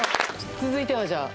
続いてはじゃあ。